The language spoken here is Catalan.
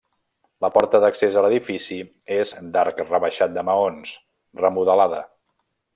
La porta d'accés a l'edifici és d'arc rebaixat de maons, remodelada.